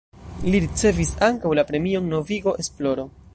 Li ricevis ankaŭ la Premion Novigo Esploro.